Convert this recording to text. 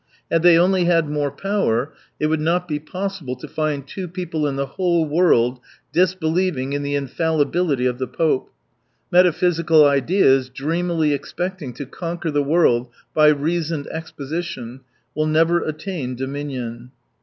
Had they only had more power, it would not be possible to find two people in the whole world disbelieving in the infallibility of the Pope. Metaphysical ideas, dreamily expecting to conquer the world by reasoned exposition, will never attain dominion.